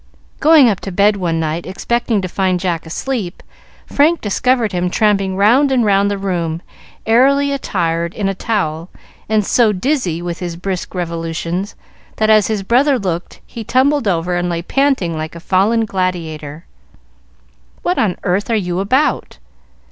Going up to bed one night expecting to find Jack asleep, Frank discovered him tramping round and round the room airily attired in a towel, and so dizzy with his brisk revolutions that as his brother looked he tumbled over and lay panting like a fallen gladiator. "What on earth are you about?"